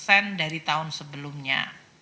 ini tiga puluh tujuh dari tahun sebelumnya